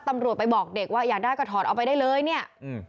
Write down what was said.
ตำรวจไปบอกเด็กว่าอยากได้ก็ถอดเอาไปได้เลยเนี่ยอืม